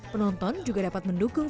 penonton juga dapat mendukung